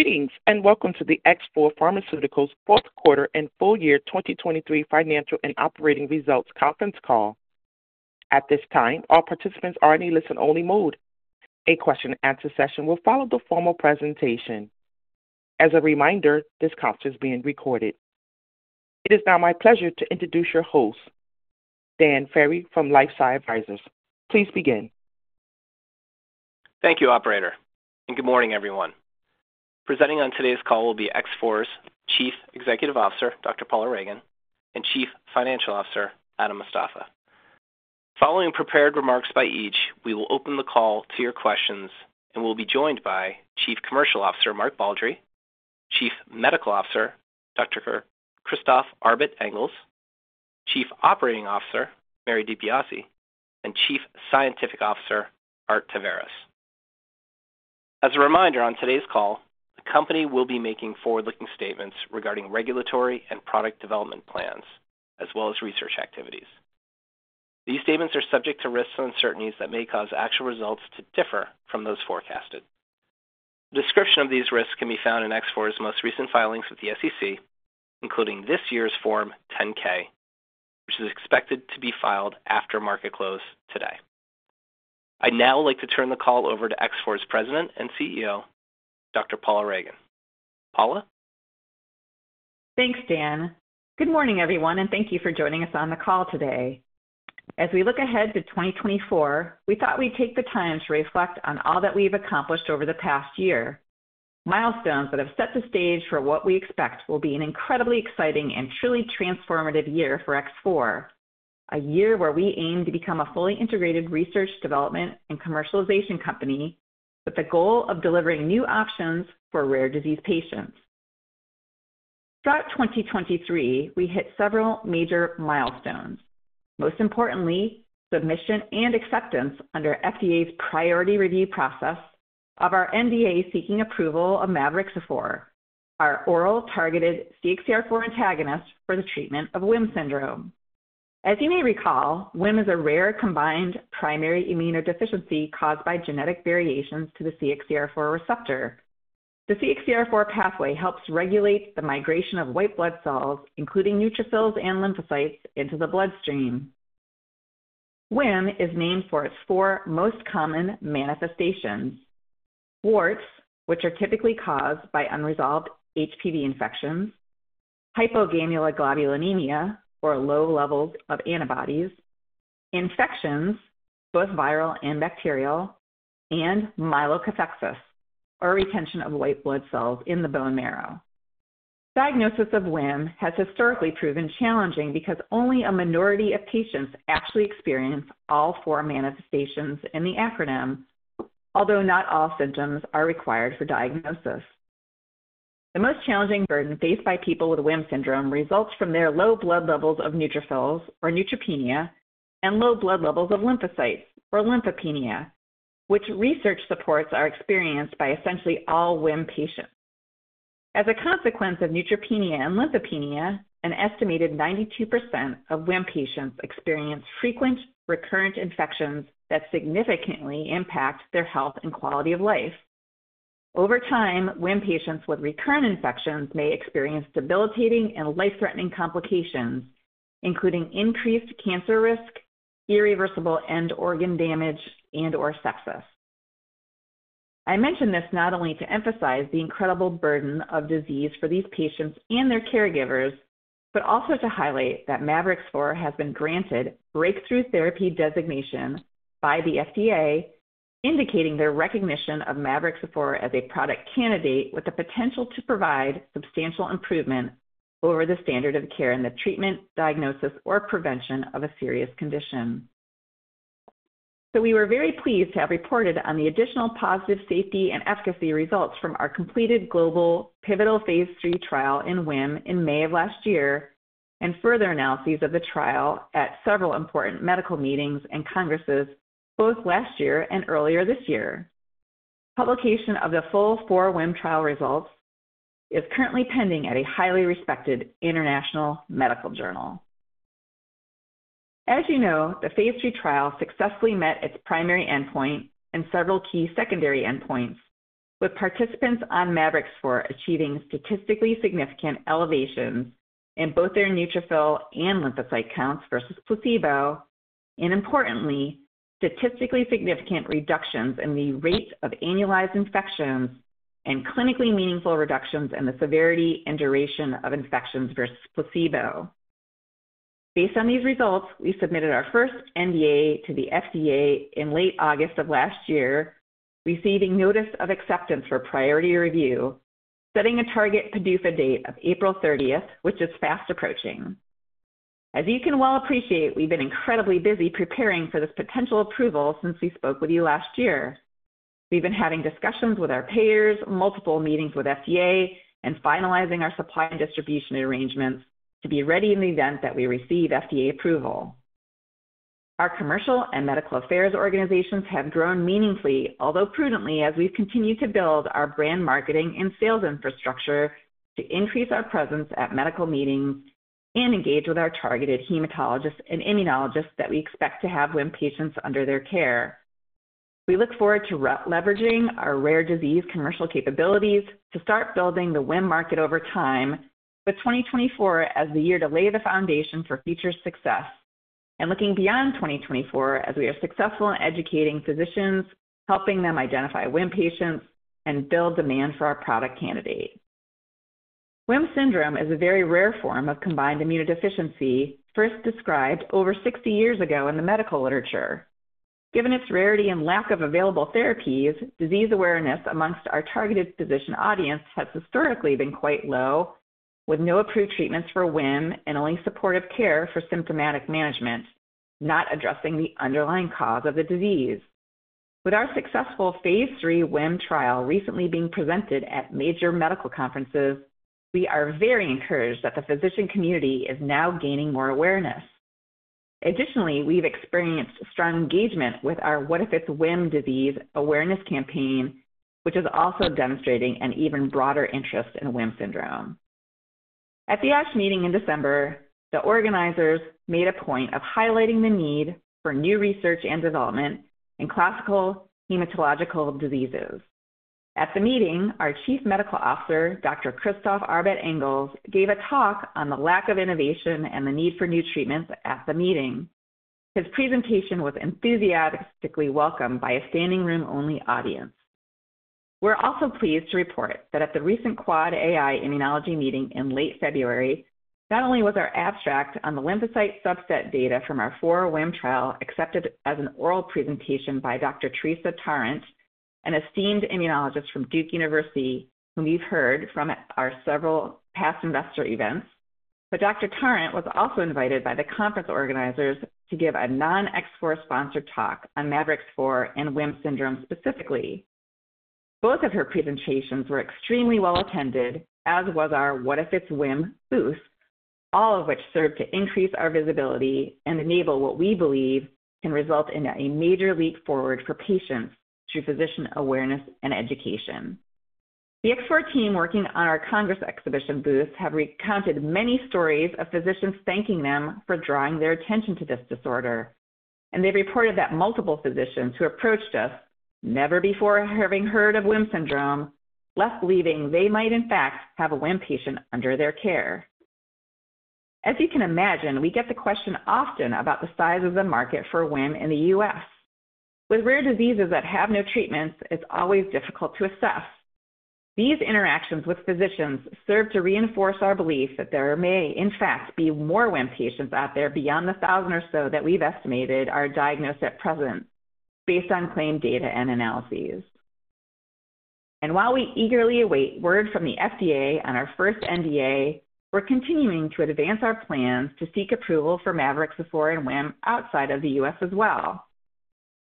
Greetings, and welcome to the X4 Pharmaceuticals fourth quarter and full year 2023 financial and operating results conference call. At this time, all participants are in a listen-only mode. A question and answer session will follow the formal presentation. As a reminder, this conference is being recorded. It is now my pleasure to introduce your host, Dan Ferry from LifeSci Advisors. Please begin. Thank you, operator, and good morning, everyone. Presenting on today's call will be X4's Chief Executive Officer, Dr. Paula Ragan, and Chief Financial Officer, Adam Mostafa. Following prepared remarks by each, we will open the call to your questions and we'll be joined by Chief Commercial Officer, Mark Baldry, Chief Medical Officer, Dr. Christophe Arbet-Engels, Chief Operating Officer, Mary DiBiase, and Chief Scientific Officer, Art Taveras. As a reminder, on today's call, the company will be making forward-looking statements regarding regulatory and product development plans, as well as research activities. These statements are subject to risks and uncertainties that may cause actual results to differ from those forecasted. A description of these risks can be found in X4's most recent filings with the SEC, including this year's Form 10-K, which is expected to be filed after market close today. I'd now like to turn the call over to X4's President and CEO, Dr. Paula Ragan. Paula? Thanks, Dan. Good morning, everyone, and thank you for joining us on the call today. As we look ahead to 2024, we thought we'd take the time to reflect on all that we've accomplished over the past year. Milestones that have set the stage for what we expect will be an incredibly exciting and truly transformative year for X4. A year where we aim to become a fully integrated research, development, and commercialization company with the goal of delivering new options for rare disease patients. Throughout 2023, we hit several major milestones. Most importantly, submission and acceptance under FDA's priority review process of our NDA, seeking approval of mavorixafor, our oral targeted CXCR4 antagonist for the treatment of WHIM syndrome. As you may recall, WHIM is a rare combined primary immunodeficiency caused by genetic variations to the CXCR4 receptor. The CXCR4 pathway helps regulate the migration of white blood cells, including neutrophils and lymphocytes, into the bloodstream. WHIM is named for its four most common manifestations: warts, which are typically caused by unresolved HPV infections, hypogammaglobulinemia, or low levels of antibodies, infections, both viral and bacterial, and myelokathexis, or retention of white blood cells in the bone marrow. Diagnosis of WHIM has historically proven challenging because only a minority of patients actually experience all four manifestations in the acronym, although not all symptoms are required for diagnosis. The most challenging burden faced by people with WHIM syndrome results from their low blood levels of neutrophils, or neutropenia, and low blood levels of lymphocytes, or lymphopenia, which research supports are experienced by essentially all WHIM patients. As a consequence of neutropenia and lymphopenia, an estimated 92% of WHIM patients experience frequent, recurrent infections that significantly impact their health and quality of life. Over time, WHIM patients with recurrent infections may experience debilitating and life-threatening complications, including increased cancer risk, irreversible end organ damage, and/or sepsis. I mention this not only to emphasize the incredible burden of disease for these patients and their caregivers, but also to highlight that mavorixafor has been granted breakthrough therapy designation by the FDA, indicating their recognition of mavorixafor as a product candidate with the potential to provide substantial improvement over the standard of care in the treatment, diagnosis, or prevention of a serious condition. We were very pleased to have reported on the additional positive safety and efficacy results from our completed global pivotal Phase III trial in WHIM in May of last year, and further analyses of the trial at several important medical meetings and congresses, both last year and earlier this year. Publication of the full 4WHIM trial results is currently pending at a highly respected international medical journal. As you know, the Phase II trial successfully met its primary endpoint and several key secondary endpoints, with participants on mavorixafor achieving statistically significant elevations in both their neutrophil and lymphocyte counts versus placebo, and importantly, statistically significant reductions in the rates of annualized infections and clinically meaningful reductions in the severity and duration of infections versus placebo. Based on these results, we submitted our first NDA to the FDA in late August of last year, receiving notice of acceptance for priority review, setting a target PDUFA date of April 30, which is fast approaching. As you can well appreciate, we've been incredibly busy preparing for this potential approval since we spoke with you last year. We've been having discussions with our payers, multiple meetings with FDA, and finalizing our supply and distribution arrangements to be ready in the event that we receive FDA approval. Our commercial and medical affairs organizations have grown meaningfully, although prudently, as we've continued to build our brand, marketing, and sales infrastructure to increase our presence at medical meetings and engage with our targeted hematologists and immunologists that we expect to have WHIM patients under their care. We look forward to re-leveraging our rare disease commercial capabilities to start building the WHIM market over time, with 2024 as the year to lay the foundation for future success. And looking beyond 2024, as we are successful in educating physicians, helping them identify WHIM patients, and build demand for our product candidate. WHIM syndrome is a very rare form of combined immunodeficiency, first described over 60 years ago in the medical literature. Given its rarity and lack of available therapies, disease awareness among our targeted physician audience has historically been quite low, with no approved treatments for WHIM and only supportive care for symptomatic management, not addressing the underlying cause of the disease. With our successful Phase III WHIM trial recently being presented at major medical conferences, we are very encouraged that the physician community is now gaining more awareness. Additionally, we've experienced strong engagement with our What If It's WHIM? disease awareness campaign, which is also demonstrating an even broader interest in WHIM syndrome. At the ASH meeting in December, the organizers made a point of highlighting the need for new research and development in classical hematological diseases. At the meeting, our Chief Medical Officer, Dr. Christophe Arbet-Engels, gave a talk on the lack of innovation and the need for new treatments at the meeting. His presentation was enthusiastically welcomed by a standing room only audience. We're also pleased to report that at the recent AAAAI Immunology Meeting in late February, not only was our abstract on the lymphocyte subset data from our 4WHIM trial accepted as an oral presentation by Dr. Teresa Tarrant, an esteemed immunologist from Duke University, whom you've heard from at our several past investor events. But Dr. Tarrant was also invited by the conference organizers to give a non-X-Four sponsored talk on mavorixafor and WHIM syndrome specifically. Both of her presentations were extremely well attended, as was our What If It's WHIM? booth, all of which served to increase our visibility and enable what we believe can result in a major leap forward for patients through physician awareness and education. The X-Four team working on our Congress exhibition booth have recounted many stories of physicians thanking them for drawing their attention to this disorder. They reported that multiple physicians who approached us, never before having heard of WHIM syndrome, left believing they might in fact have a WHIM patient under their care. As you can imagine, we get the question often about the size of the market for WHIM in the U.S. With rare diseases that have no treatments, it's always difficult to assess. These interactions with physicians serve to reinforce our belief that there may, in fact, be more WHIM patients out there beyond the 1,000 or so that we've estimated are diagnosed at present, based on claim data and analyses. And while we eagerly await word from the FDA on our first NDA, we're continuing to advance our plans to seek approval for mavorixafor and WHIM outside of the U.S. as well.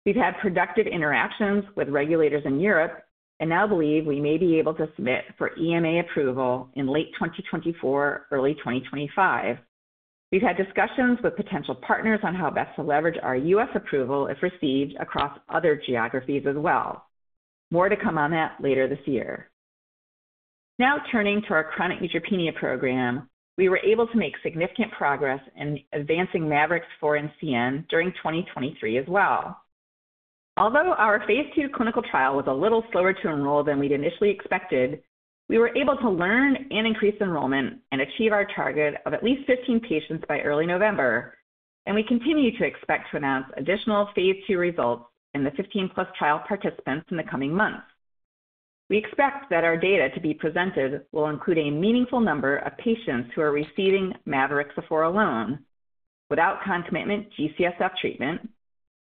We've had productive interactions with regulators in Europe and now believe we may be able to submit for EMA approval in late 2024, early 2025. We've had discussions with potential partners on how best to leverage our U.S. approval, if received, across other geographies as well. More to come on that later this year. Now, turning to our chronic neutropenia program, we were able to make significant progress in advancing mavorixafor in CN during 2023 as well. Although our Phase II clinical trial was a little slower to enroll than we'd initially expected, we were able to learn and increase enrollment and achieve our target of at least 15 patients by early November. We continue to expect to announce additional Phase II results in the 15+ trial participants in the coming months. We expect that our data to be presented will include a meaningful number of patients who are receiving mavorixafor alone, without concomitant G-CSF treatment,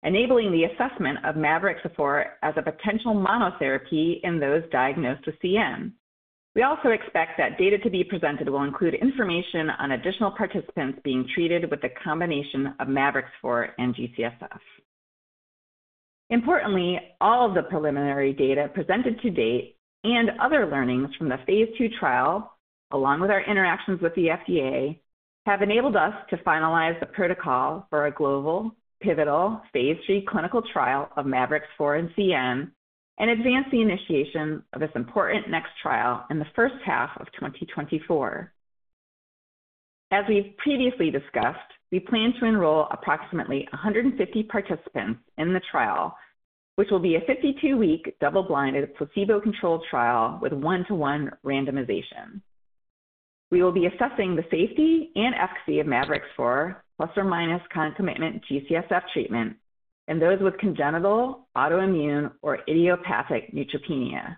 enabling the assessment of mavorixafor as a potential monotherapy in those diagnosed with CN. We also expect that data to be presented will include information on additional participants being treated with a combination of mavorixafor and G-CSF. Importantly, all of the preliminary data presented to date and other learnings from the Phase II trial, along with our interactions with the FDA, have enabled us to finalize the protocol for a global pivotal Phase III clinical trial of mavorixafor in CN and advance the initiation of this important next trial in the first half of 2024. As we've previously discussed, we plan to enroll approximately 150 participants in the trial, which will be a 52-week, double-blind, placebo-controlled trial with one-to-one randomization. We will be assessing the safety and efficacy of mavorixafor plus or minus concomitant G-CSF treatment in those with congenital, autoimmune, or idiopathic neutropenia.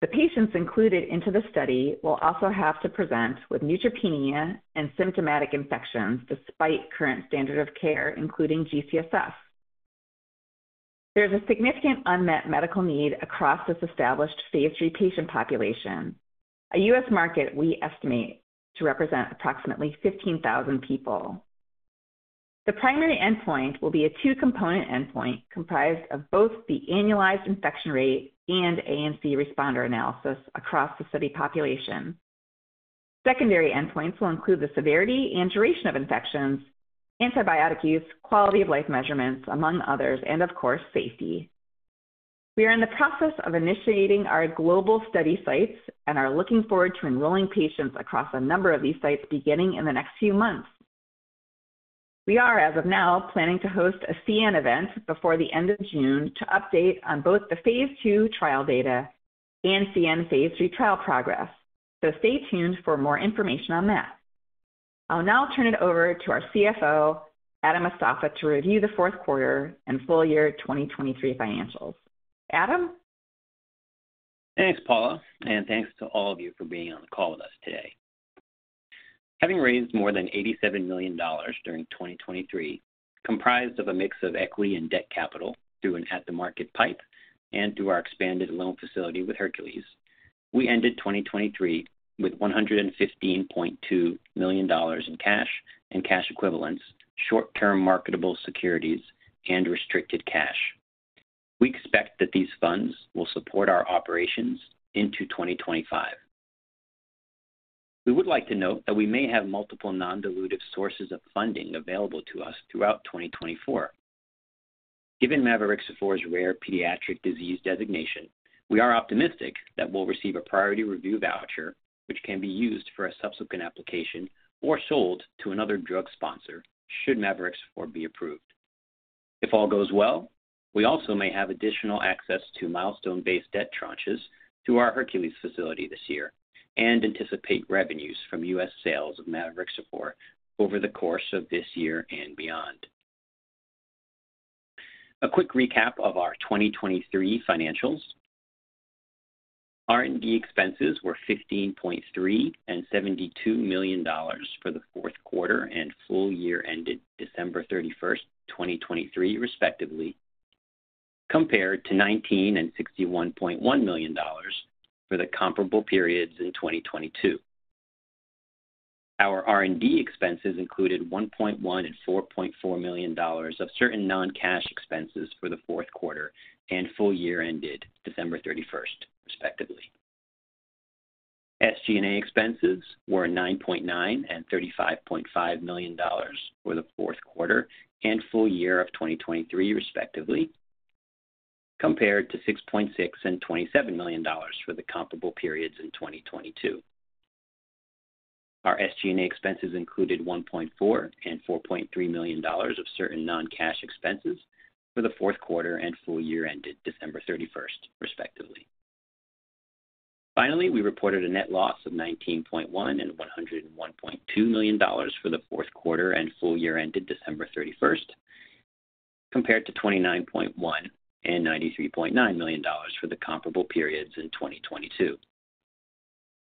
The patients included into the study will also have to present with neutropenia and symptomatic infections, despite current standard of care, including G-CSF. There is a significant unmet medical need across this established Phase III patient population, a U.S. market we estimate to represent approximately 15,000 people. The primary endpoint will be a two-component endpoint, comprised of both the annualized infection rate and ANC responder analysis across the study population. Secondary endpoints will include the severity and duration of infections, antibiotic use, quality of life measurements, among others, and of course, safety. We are in the process of initiating our global study sites and are looking forward to enrolling patients across a number of these sites beginning in the next few months. We are, as of now, planning to host a CN event before the end of June to update on both the Phase II trial data and CN Phase III trial progress. So stay tuned for more information on that. I'll now turn it over to our CFO, Adam Mostafa, to review the fourth quarter and full year 2023 financials. Adam? Thanks, Paula, and thanks to all of you for being on the call with us today. Having raised more than $87 million during 2023, comprised of a mix of equity and debt capital through an at-the-market pipe and through our expanded loan facility with Hercules, we ended 2023 with $115.2 million in cash and cash equivalents, short-term marketable securities, and restricted cash. We expect that these funds will support our operations into 2025. We would like to note that we may have multiple non-dilutive sources of funding available to us throughout 2024. Given mavorixafor's rare pediatric disease designation, we are optimistic that we'll receive a priority review voucher, which can be used for a subsequent application or sold to another drug sponsor, should mavorixafor be approved. If all goes well, we also may have additional access to milestone-based debt tranches through our Hercules facility this year and anticipate revenues from U.S. sales of mavorixafor over the course of this year and beyond. A quick recap of our 2023 financials. R&D expenses were $15.3 million and $72 million for the fourth quarter and full year ended December 31, 2023, respectively, compared to $19 million and $61.1 million for the comparable periods in 2022. Our R&D expenses included $1.1 million and $4.4 million of certain non-cash expenses for the fourth quarter and full year ended December 31, respectively. SG&A expenses were $9.9 million and $35.5 million for the fourth quarter and full year of 2023, respectively, compared to $6.6 million and $27 million for the comparable periods in 2022. Our SG&A expenses included $1.4 million and $4.3 million of certain non-cash expenses for the fourth quarter and full year ended December 31, respectively. Finally, we reported a net loss of $19.1 million and $101.2 million for the fourth quarter and full year ended December 31, compared to $29.1 million and $93.9 million for the comparable periods in 2022.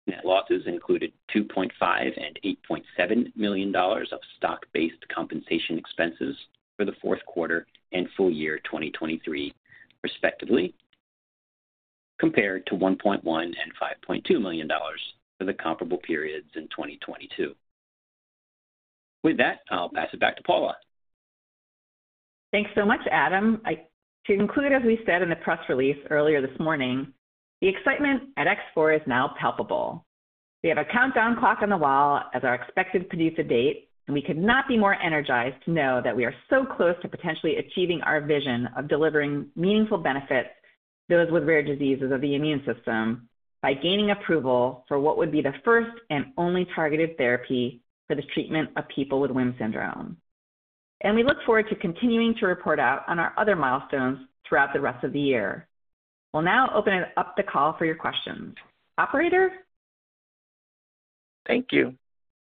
Net losses included $2.5 million and $8.7 million of stock-based compensation expenses for the fourth quarter and full year 2023, respectively, compared to $1.1 million and $5.2 million for the comparable periods in 2022. With that, I'll pass it back to Paula. Thanks so much, Adam. To conclude, as we said in the press release earlier this morning, the excitement at X4 is now palpable. We have a countdown clock on the wall as our expected PDUFA date, and we could not be more energized to know that we are so close to potentially achieving our vision of delivering meaningful benefits to those with rare diseases of the immune system, by gaining approval for what would be the first and only targeted therapy for the treatment of people with WHIM syndrome. And we look forward to continuing to report out on our other milestones throughout the rest of the year. We'll now open it up to the call for your questions. Operator? Thank you.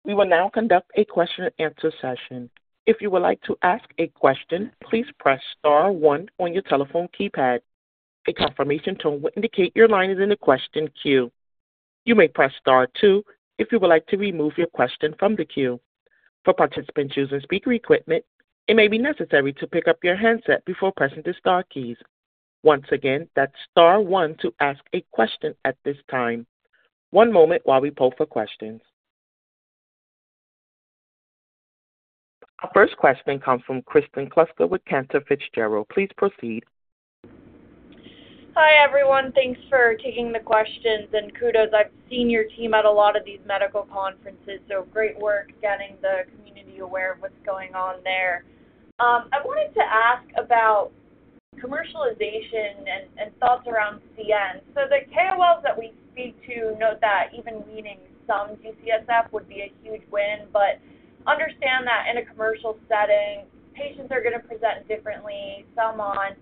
We will now conduct a question and answer session. If you would like to ask a question, please press star one on your telephone keypad. A confirmation tone will indicate your line is in the question queue. You may press star two if you would like to remove your question from the queue. For participants using speaker equipment, it may be necessary to pick up your handset before pressing the star keys. Once again, that's star one to ask a question at this time. One moment while we poll for questions. Our first question comes from Kristen Kluska with Cantor Fitzgerald. Please proceed. Hi, everyone. Thanks for taking the questions and kudos. I've seen your team at a lot of these medical conferences, so great work getting the community aware of what's going on there. I wanted to ask about commercialization and thoughts around CN. So the KOLs that we speak to note that even needing some G-CSF would be a huge win, but understand that in a commercial setting, patients are going to present differently, some on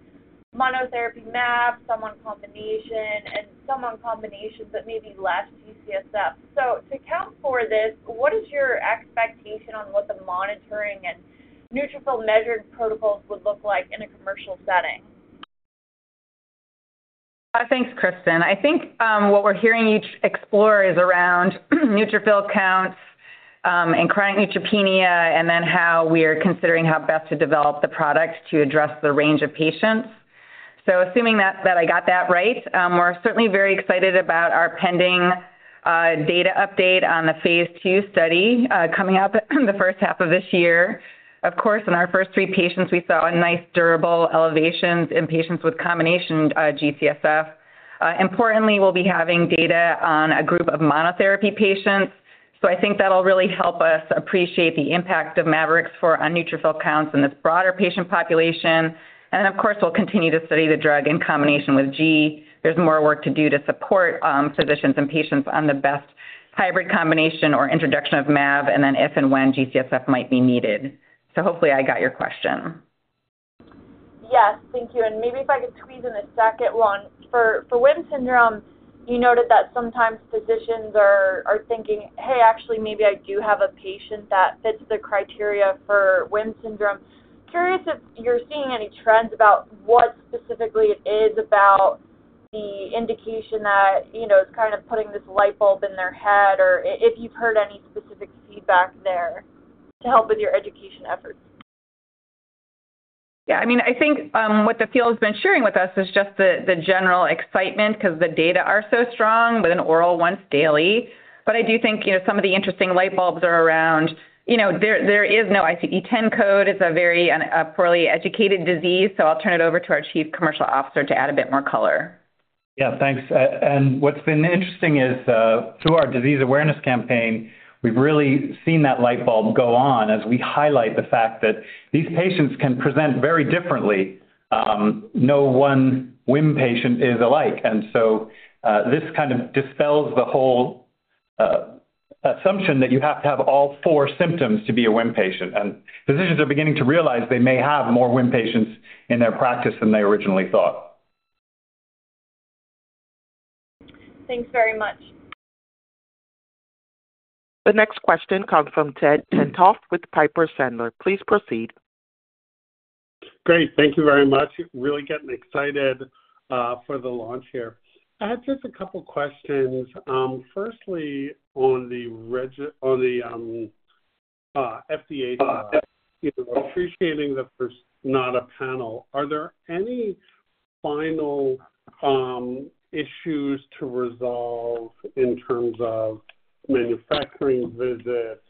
monotherapy Mav, some on combination, and some on combinations, but maybe less G-CSF. So to account for this, what is your expectation on what the monitoring and neutrophil measured protocols would look like in a commercial setting? Thanks, Kristen. I think what we're hearing you explore is around neutrophil counts and chronic neutropenia, and then how we are considering how best to develop the product to address the range of patients. So assuming that I got that right, we're certainly very excited about our pending data update on the Phase II study coming up in the first half of this year. Of course, in our first three patients, we saw a nice durable elevations in patients with combination G-CSF. Importantly, we'll be having data on a group of monotherapy patients. So I think that'll really help us appreciate the impact of mavorixafor on neutrophil counts in this broader patient population. And then, of course, we'll continue to study the drug in combination with G. There's more work to do to support, physicians and patients on the best hybrid combination or introduction of Mav, and then if and when G-CSF might be needed. So hopefully I got your question. Yes, thank you. And maybe if I could squeeze in a second one. For WHIM syndrome, you noted that sometimes physicians are thinking, "Hey, actually, maybe I do have a patient that fits the criteria for WHIM syndrome." Curious if you're seeing any trends about what specifically it is about the indication that, you know, is kind of putting this light bulb in their head, or if you've heard any specific feedback there to help with your education efforts? Yeah, I mean, I think what the field has been sharing with us is just the general excitement because the data are so strong with an oral once daily. But I do think, you know, some of the interesting light bulbs are around. You know, there is no ICD-10 code. It's a very rare and poorly understood disease, so I'll turn it over to our Chief Commercial Officer to add a bit more color. Yeah, thanks. And what's been interesting is, through our disease awareness campaign, we've really seen that light bulb go on as we highlight the fact that these patients can present very differently. No one WHIM patient is alike. And so, this kind of dispels the whole, assumption that you have to have all four symptoms to be a WHIM patient, and physicians are beginning to realize they may have more WHIM patients in their practice than they originally thought. Thanks very much. The next question comes from Ted Tenthoff with Piper Sandler. Please proceed. Great. Thank you very much. Really getting excited for the launch here. I had just a couple questions. Firstly, on the FDA, appreciating the first, not a panel, are there any final issues to resolve in terms of manufacturing visits?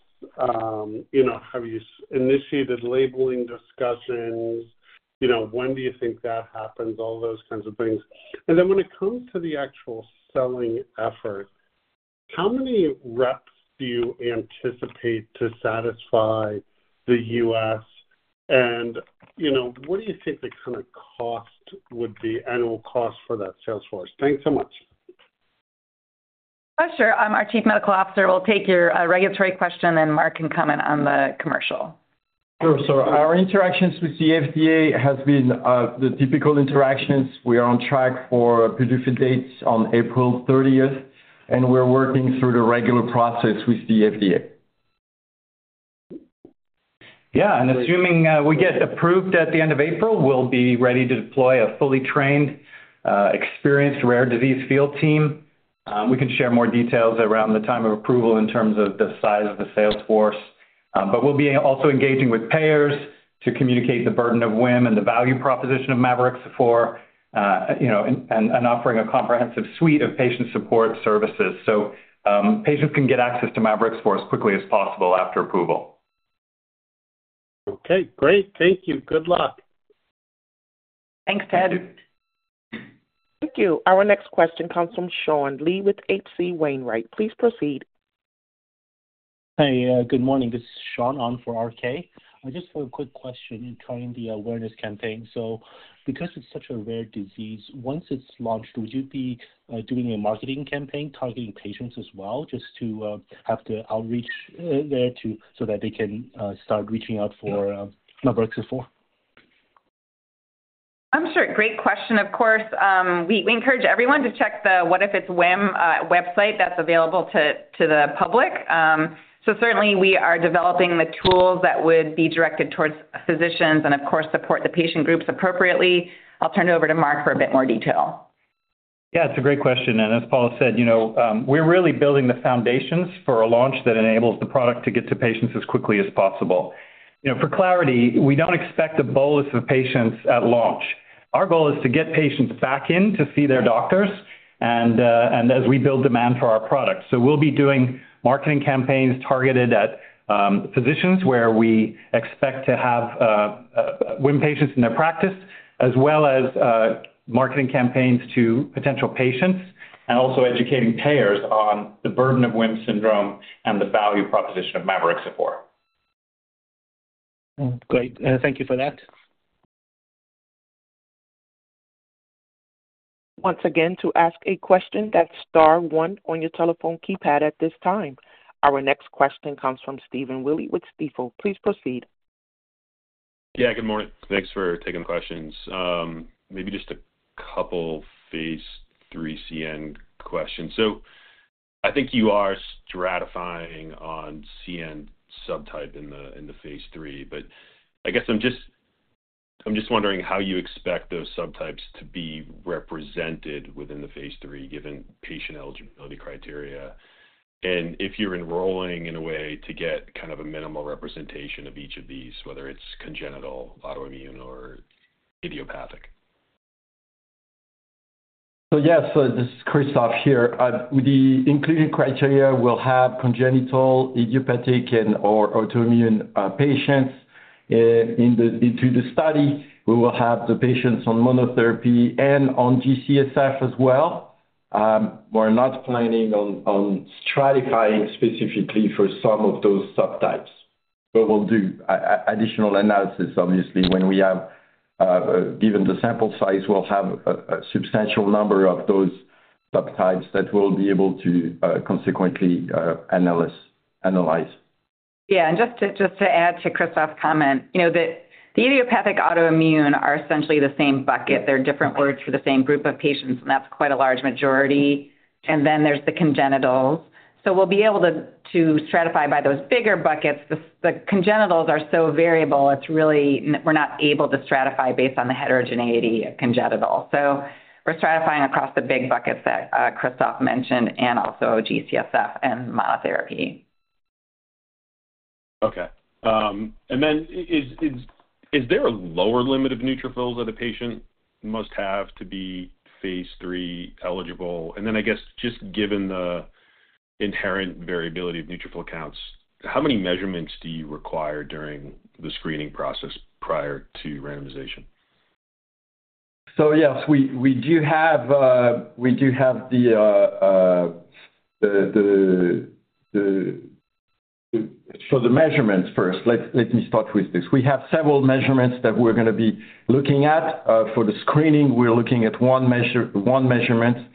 You know, have you initiated labeling discussions? You know, when do you think that happens? All those kinds of things. And then when it comes to the actual selling effort, how many reps do you anticipate to satisfy the U.S.? And, you know, what do you think the kind of cost would be, annual cost for that sales force? Thanks so much. Sure. Our Chief Medical Officer will take your regulatory question, and then Mark can comment on the commercial. Sure. So our interactions with the FDA has been the typical interactions. We are on track for PDUFA dates on April thirtieth, and we're working through the regular process with the FDA. Yeah, and assuming we get approved at the end of April, we'll be ready to deploy a fully trained, experienced rare disease field team. We can share more details around the time of approval in terms of the size of the sales force. But we'll be also engaging with payers to communicate the burden of WHIM and the value proposition of mavorixafor, you know, and, and offering a comprehensive suite of patient support services. So, patients can get access to mavorixafor as quickly as possible after approval. Okay, great. Thank you. Good luck. Thanks, Ted. Thank you. Our next question comes from Sean Lee with H.C. Wainwright. Please proceed. Hey, good morning. This is Sean on for RK. I just have a quick question concerning the awareness campaign. So because it's such a rare disease, once it's launched, would you be doing a marketing campaign targeting patients as well, just to have the outreach there so that they can start reaching out for mavorixafor? I'm sure. Great question, of course. We encourage everyone to check the What If It's WHIM website that's available to the public. So certainly, we are developing the tools that would be directed towards physicians and, of course, support the patient groups appropriately. I'll turn it over to Mark for a bit more detail. Yeah, it's a great question. And as Paula said, you know, we're really building the foundations for a launch that enables the product to get to patients as quickly as possible. You know, for clarity, we don't expect a bolus of patients at launch. Our goal is to get patients back in to see their doctors, and, and as we build demand for our product. So we'll be doing marketing campaigns targeted at, physicians, where we expect to have, WHIM patients in their practice, as well as, marketing campaigns to potential patients and also educating payers on the burden of WHIM syndrome and the value proposition of mavorixafor. Great. Thank you for that. Once again, to ask a question, that's star one on your telephone keypad at this time. Our next question comes from Stephen Willey with Stifel. Please proceed. Yeah, good morning. Thanks for taking the questions. Maybe just a couple Phase III CN questions. So I think you are stratifying on CN subtype in the Phase III, but I guess I'm just wondering how you expect those subtypes to be represented within the Phase III, given patient eligibility criteria, and if you're enrolling in a way to get kind of a minimal representation of each of these, whether it's congenital, autoimmune, or idiopathic. Yes, this is Christophe here. With the inclusion criteria, we'll have congenital, idiopathic, and/or autoimmune patients into the study. We will have the patients on monotherapy and on G-CSF as well. We're not planning on stratifying specifically for some of those subtypes, but we'll do a additional analysis, obviously, when we have, given the sample size, we'll have a substantial number of those subtypes that we'll be able to consequently analyze. Yeah, and just to add to Christophe's comment, you know, the idiopathic autoimmune are essentially the same bucket. They're different words for the same group of patients, and that's quite a large majority. Then there's the congenital. So we'll be able to stratify by those bigger buckets. The congenitals are so variable, it's really we're not able to stratify based on the heterogeneity of congenital. So we're stratifying across the big buckets that Christophe mentioned, and also G-CSF and monotherapy. Okay. And then is there a lower limit of neutrophils that a patient must have to be phase III eligible? And then I guess, just given the inherent variability of neutrophil counts, how many measurements do you require during the screening process prior to randomization? So yes, we do have the measurements first. Let me start with this. We have several measurements that we're gonna be looking at. For the screening, we're looking at one measurement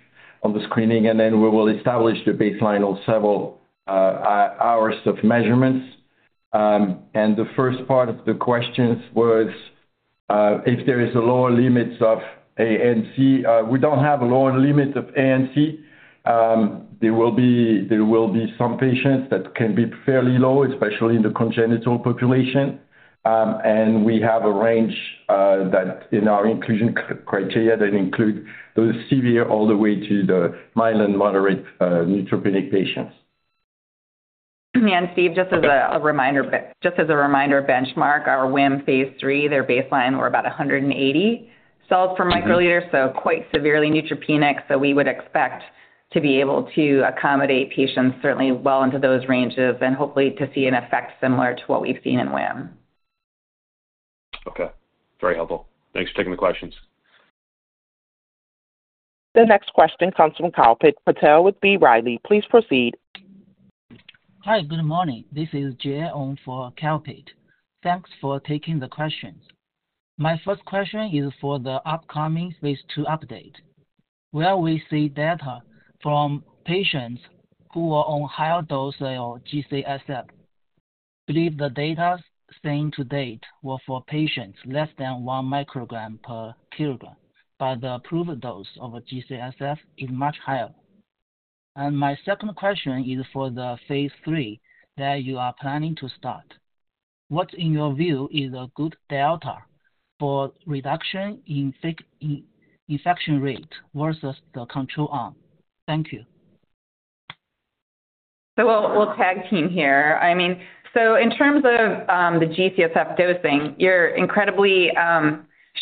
on the screening, and then we will establish the baseline on several hours of measurements. And the first part of the questions was, if there is a lower limits of ANC. We don't have a lower limit of ANC. There will be some patients that can be fairly low, especially in the congenital population. And we have a range that in our inclusion criteria that include those severe all the way to the mild and moderate neutropenic patients. And Steve, just as a reminder of benchmark, our WHIM Phase III, their baseline were about 180 cells per microliter- Mm-hmm. So quite severely neutropenic. We would expect to be able to accommodate patients certainly well into those ranges, and hopefully to see an effect similar to what we've seen in WHIM. Okay. Very helpful. Thanks for taking the questions. The next question comes from Kalpit Patel with B. Riley. Please proceed. Hi, good morning. This is Jay on for Kalpit. Thanks for taking the questions. My first question is for the upcoming phase II update. Will we see data from patients who are on higher dose of G-CSF? Believe the data seen to date were for patients less than 1 microgram per kilogram, but the approved dose of G-CSF is much higher. My second question is for the phase III that you are planning to start. What, in your view, is a good delta for reduction in infection rate versus the control arm? Thank you. So we'll tag team here. I mean, so in terms of the G-CSF dosing, you're incredibly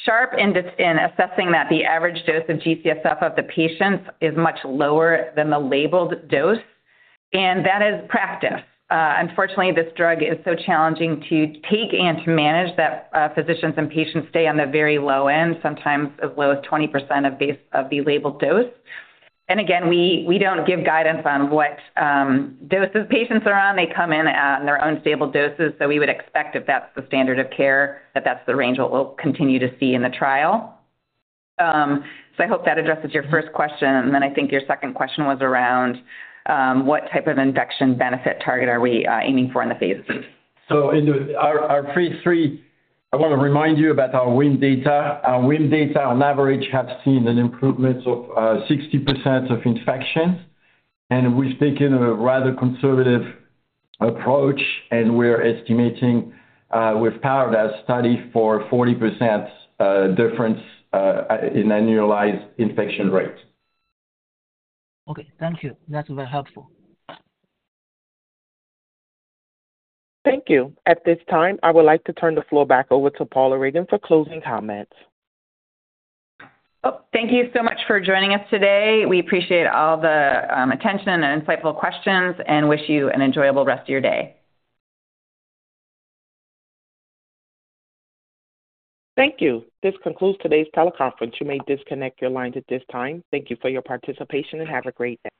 sharp in assessing that the average dose of G-CSF of the patients is much lower than the labeled dose, and that is practice. Unfortunately, this drug is so challenging to take and to manage that physicians and patients stay on the very low end, sometimes as low as 20% of the labeled dose. And again, we don't give guidance on what doses patients are on. They come in at their own stable doses, so we would expect if that's the standard of care, that that's the range what we'll continue to see in the trial. So I hope that addresses your first question, and then I think your second question was around what type of induction benefit target are we aiming for in the phase III. So in our phase III, I want to remind you about our WHIM data. Our WHIM data on average have seen an improvement of 60% of infection, and we've taken a rather conservative approach, and we're estimating with power of that study for 40% difference in annualized infection rate. Okay. Thank you. That's very helpful. Thank you. At this time, I would like to turn the floor back over to Paula Ragan for closing comments. Oh, thank you so much for joining us today. We appreciate all the attention and insightful questions, and wish you an enjoyable rest of your day. Thank you. This concludes today's teleconference. You may disconnect your lines at this time. Thank you for your participation, and have a great day.